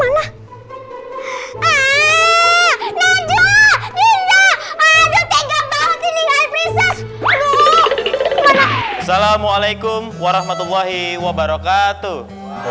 assalamualaikum warahmatullahi wabarakatuh